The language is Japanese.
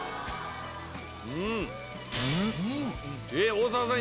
大沢さん